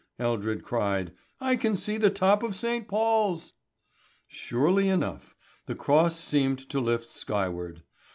Eldred cried. "I can see the top of St. Paul's." Surely enough, the cross seemed to lift skyward.